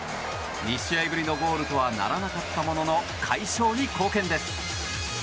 ２試合ぶりのゴールとはならなかったものの快勝に貢献です。